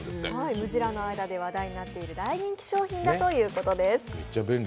ムジラーの間で話題になっている大人気商品だということです。